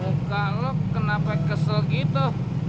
muka lo kenapa kesel gitu